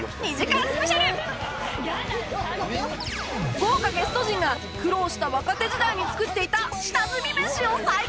豪華ゲスト陣が苦労した若手時代に作っていた下積みメシを再現